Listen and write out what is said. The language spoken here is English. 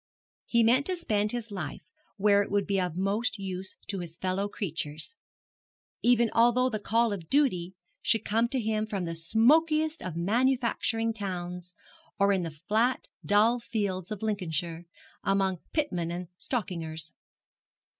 He meant to spend his life where it would be of most use to his fellow creatures; even although the call of duty should come to him from the smokiest of manufacturing towns, or in the flat, dull fields of Lincolnshire, among pitmen and stockingers.